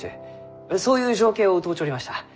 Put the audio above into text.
そういう情景を歌うちょりました。